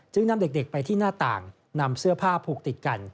นำเด็กไปที่หน้าต่างนำเสื้อผ้าผูกติดกัน